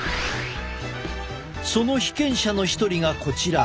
その被験者の一人がこちら。